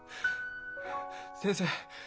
先生